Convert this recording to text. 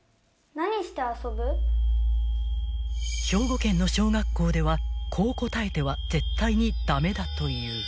［兵庫県の小学校ではこう答えては絶対に駄目だという］